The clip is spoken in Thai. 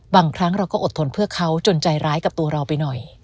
บางครั้งเราก็อดทนเพื่อเขาจนใจร้ายกับตัวเราไปหน่อย